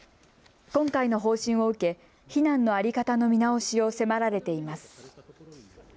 今回の方針を受け避難の在り方の見直しを迫られています。